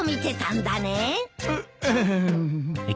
うっうん。